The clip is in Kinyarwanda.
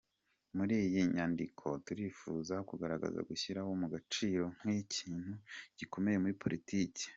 Muri iyi nyandiko turifuza kugaragaza “Gushyira mu gaciro” nk’ikintu gikomeye muri politiki.